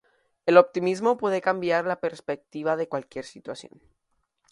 El optimismo puede cambiar la perspectiva de cualquier situación.